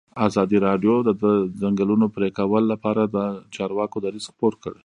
ازادي راډیو د د ځنګلونو پرېکول لپاره د چارواکو دریځ خپور کړی.